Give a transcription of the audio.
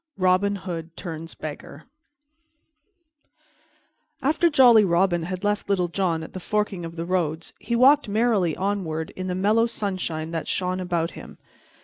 Robin Hood Turns Beggar AFTER JOLLY ROBIN had left Little John at the forking of the roads, he walked merrily onward in the mellow sunshine that shone about him.